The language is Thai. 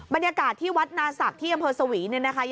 บรรยากาศที่วัดนาศักดิ์ที่อำเภอสวีเนี่ยนะคะ